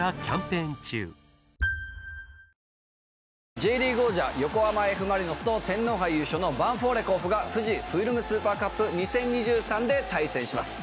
Ｊリーグ王者横浜Ｆ・マリノスと天皇杯優勝のヴァンフォーレ甲府が「ＦＵＪＩＦＩＬＭＳＵＰＥＲＣＵＰ２０２３」で対戦します。